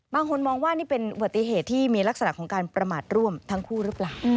บางคนมองว่านี่เป็นอุบัติเหตุที่มีลักษณะของการประมาทร่วมทั้งคู่หรือเปล่า